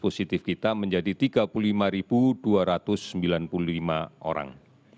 positif kita menjadi tiga puluh lima dua ratus sembilan puluh lima orang